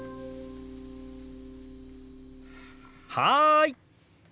はい！